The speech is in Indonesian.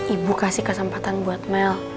ibu kasih kesempatan buat mel